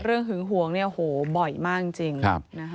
เรื่องถึงห่วงโหบ่อยมากจริงนะครับ